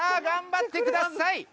頑張ってください。